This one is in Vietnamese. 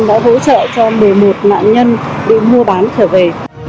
đã hỗ trợ cho một mươi một nạn nhân đi mua bán trở về